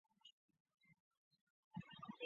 湖广钟祥县人。